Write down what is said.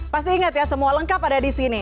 pasti ingat ya semua lengkap ada di sini